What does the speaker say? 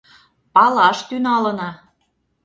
Палаш тӱҥалына.